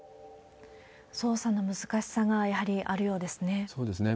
捜査の難しさがやはりあるようですね。